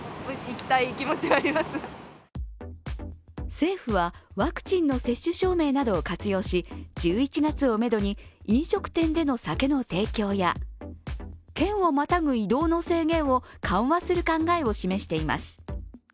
政府はワクチンの接種証明などを活用し１１月をめどに飲食店での酒の提供や県をまたぐ移動の制限を緩和する考えを示しています。